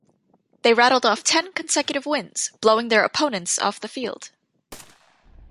They rattled off ten consecutive wins, blowing their opponents off the field.